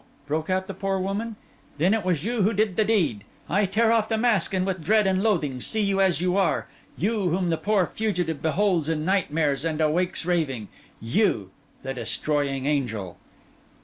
broke out the poor woman. 'Then it was you who did the deed! I tear off the mask, and with dread and loathing see you as you are—you, whom the poor fugitive beholds in nightmares, and awakes raving—you, the Destroying Angel!